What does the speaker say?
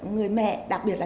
người mẹ đặc biệt là